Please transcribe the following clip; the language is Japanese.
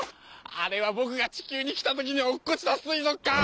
あれは僕が地球に来た時に落っこちた水族館！